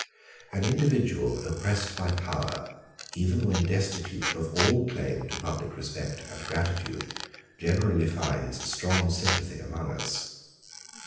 An individual oppressed by power, even when destitute of all claim to public respect and gratitude, generally finds strong sympathy among us.